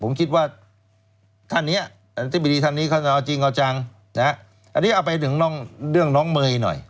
ผมคิดว่าท่านนี้อันนี้เอาไปดึงเรื่องน้องเมยน่ะ